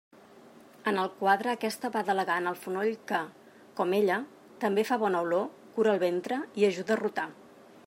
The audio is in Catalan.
En el quadre aquesta va delegar en el fonoll, que, com ella, també fa bona olor, cura el ventre i ajuda a rotar.